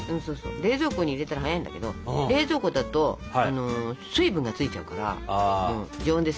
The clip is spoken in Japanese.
冷蔵庫に入れたら早いんだけど冷蔵庫だと水分がついちゃうから常温です。